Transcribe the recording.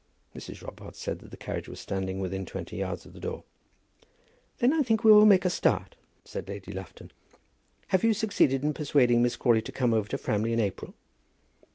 Mrs. Robarts said that the carriage was standing within twenty yards of the door. "Then I think we will make a start," said Lady Lufton. "Have you succeeded in persuading Miss Crawley to come over to Framley in April?"